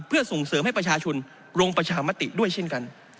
เพื่อส่งเสริมให้ประชาชนลงประชามติด้วยเช่นกัน